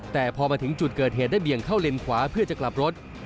แต่พอมาถึงจุดเกิดเหตุได้เบี่ยงเข้าเลนขวาเพื่อจะกลับรถ